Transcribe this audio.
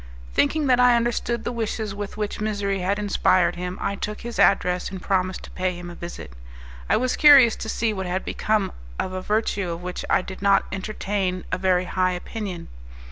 Thinking that I understood the wishes with which misery had inspired him, I took his address, and promised to pay him a visit. I was curious to see what had become of a virtue of which I did not entertain a very high opinion.